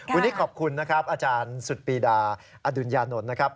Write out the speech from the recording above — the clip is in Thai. วันนี้ขอบคุณนะครับอาจารย์สุดปีดาอดุญญานนท์นะครับ